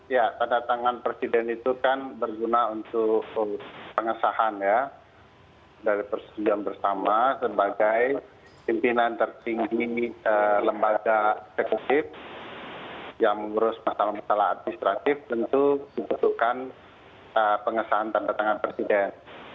ya tanda tangan presiden itu kan berguna untuk pengesahan ya dari persetujuan bersama sebagai pimpinan tertinggi lembaga eksekutif yang mengurus masalah masalah administratif tentu dibutuhkan pengesahan tanda tangan presiden